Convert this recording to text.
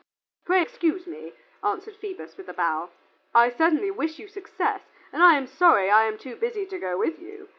"Pray excuse me," answered Phoebus, with a bow. "I certainly wish you success, and I am sorry I am too busy to go with you.